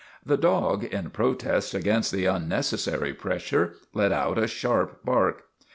The dog, in pro test against the unnecessary pressure, let out a sharp bark.